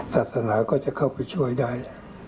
ศาสนาก็จะเข้าไปช่วยได้